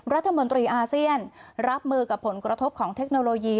รัฐมนตรีอาเซียนรับมือกับผลกระทบของเทคโนโลยี